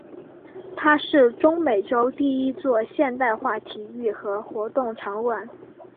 它是中美洲第一座现代化体育和活动场馆。